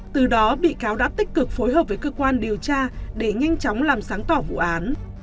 từ đó bị cáo đã tích cực phối hợp với cơ quan điều tra để nhanh chóng làm sáng tỏ vụ án